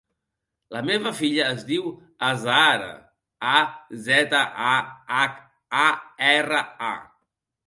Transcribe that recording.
La meva filla es diu Azahara: a, zeta, a, hac, a, erra, a.